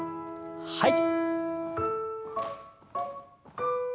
はい。